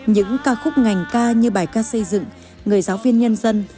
những ca khúc ngành ca như bài ca xây dựng người giáo viên nhân dân